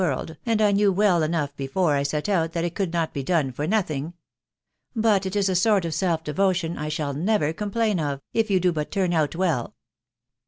world, and I knew welt enough before I set out that it could not be done for nothing: But it is a sort of self devotion I shall never complain. aft, if you do but turn out well."